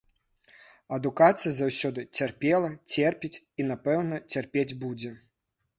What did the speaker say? Адукацыя заўсёды цярпела, церпіць і, напэўна, цярпець будзе.